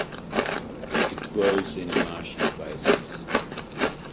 It grows in marshy places.